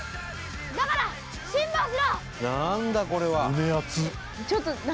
だから辛抱しろ！